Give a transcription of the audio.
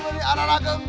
ini anak anak geng